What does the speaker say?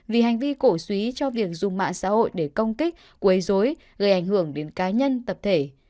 vì hành vi cổ suý cho việc dùng mạng xã hội để công kích quấy dối gây ảnh hưởng đến cá nhân tập thể